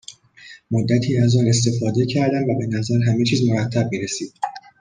مدتی از آن استفاده کردم و به نظر همه چیز مرتب میرسید